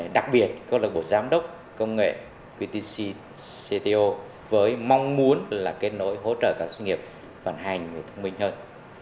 đặc biệt cơ lạc bộ giám đốc công nghệ vtc cto với mong muốn là kết nối hỗ trợ các doanh nghiệp hoàn hành và thông minh hơn